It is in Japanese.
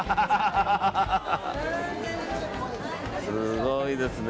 すごいですね。